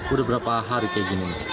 udah berapa hari kayak gini